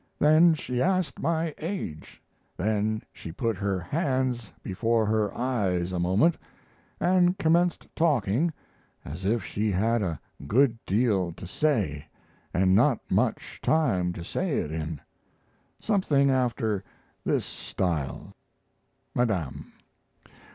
Then she asked my age. Then she put her hands before her eyes a moment, and commenced talking as if she had a good deal to say and not much time to say it in. Something after this style: 'Madame.'